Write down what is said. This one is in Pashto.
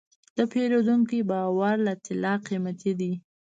د پیرودونکي باور له طلا قیمتي دی.